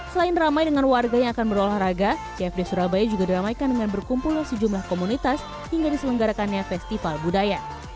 selain ramai dengan warga yang akan berolahraga cfd surabaya juga diramaikan dengan berkumpulnya sejumlah komunitas hingga diselenggarakannya festival budaya